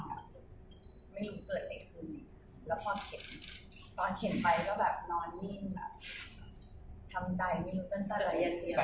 ไม่อยู่เกิดใกล้คืนแล้วพอเข็นตอนเข็นไปก็แบบนอนยิ่งแบบทำใจไม่รู้เป็นแต่อะไรอย่างเดียว